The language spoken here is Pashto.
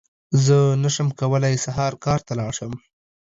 زه نشم کولی سهار کار ته لاړ شم!